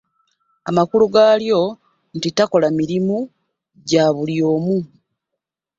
Amakulu gaalyo nti takola mirimu gya buli omu.